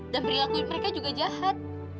dan perilakuin mereka juga jahat